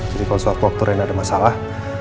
jadi kalau suatu waktu rena ada masalah